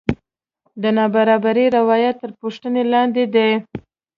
د نابرابرۍ روایت تر پوښتنې لاندې دی.